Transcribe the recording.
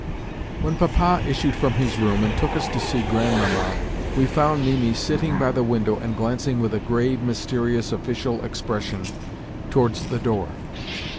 When Papa issued from his room and took us to see Grandmamma we found Mimi sitting by the window and glancing with a grave, mysterious, official expression towards the door.